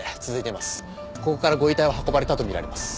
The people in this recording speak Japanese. ここからご遺体は運ばれたとみられます。